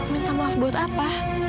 minta maaf buat apa